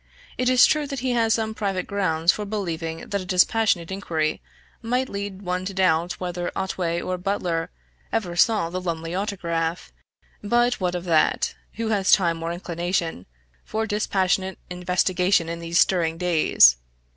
It is true that he has some private grounds for believing that a dispassionate inquiry might lead one to doubt whether Otway or Butler ever saw the Lumley autograph; but what of that, who has time or inclination for dispassionate investigation in these stirring days!